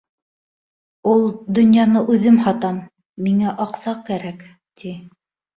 Ул донъяны үҙем һатам, миңә аҡса кәрәк, ти.